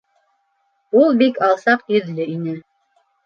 Ул бик алсаҡ йөҙлө ине.